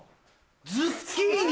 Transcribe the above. ズッキーニ！